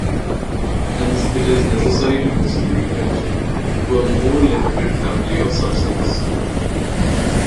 Hence, it is necessary to restrict attention to a more limited family of subsets.